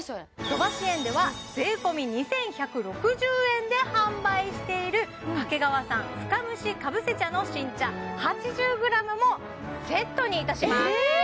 土橋園では税込２１６０円で販売している掛川産深蒸しかぶせ茶の新茶８０ｇもセットにいたします